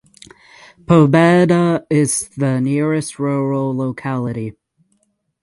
Pobeda is the nearest rural locality.